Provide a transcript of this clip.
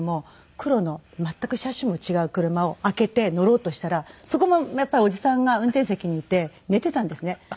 黒の全く車種も違う車を開けて乗ろうとしたらそこもやっぱりおじさんが運転席にいて寝ていたんですね。